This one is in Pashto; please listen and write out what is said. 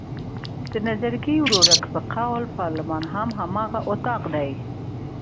د نظرګي ورورک په قول پارلمان هم هماغه اطاق دی.